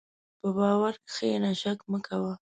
په باور کښېنه، شک مه کوه.